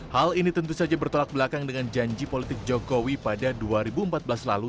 hal ini tentu saja bertolak belakang dengan janji politik jokowi pada dua ribu empat belas lalu